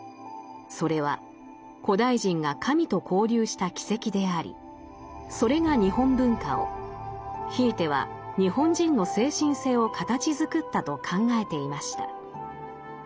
それは古代人が神と交流した軌跡でありそれが日本文化をひいては日本人の精神性を形づくったと考えていました。